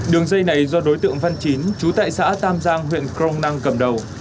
đường dây này do đối tượng văn chín chú tại xã tam giang huyện crong năng cầm đầu